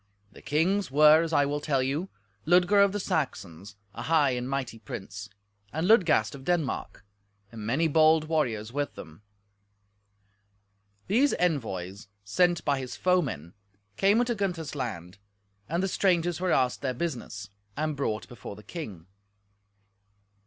The kings were as I will tell you: Ludger of the Saxons, a high and might prince; and Ludgast of Denmark, and many bold warriors with them. These envoys, sent by his foemen, came into Gunther's land, and the strangers were asked their business, and brought before the king.